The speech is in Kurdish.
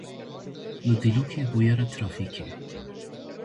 Li Dîlokê bûyera trafîkê.